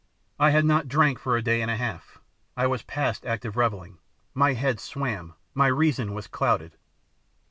I had not drank for a day and a half. I was past active reviling; my head swam; my reason was clouded.